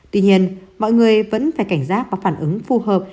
tuy nhiên mọi người vẫn phải cảnh giác và phản ứng phù hợp